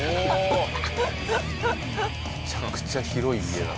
めちゃくちゃ広い家だな。